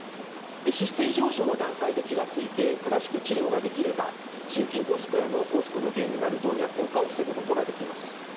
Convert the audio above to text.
脂質異常症の段階で気が付いて正しく治療ができれば心筋梗塞や脳梗塞の原因になる動脈硬化を防ぐことができます。